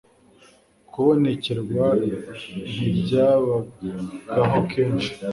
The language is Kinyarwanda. kubonekerwa ntibyabagaho kenshi